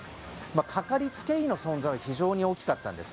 かかりつけ医の存在は非常に大きかったんです。